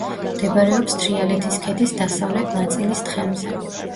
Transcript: მდებარეობს თრიალეთის ქედის დასავლეთ ნაწილის თხემზე.